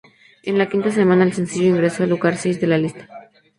En la quinta semana, el sencillo ingresó al lugar seis de la lista.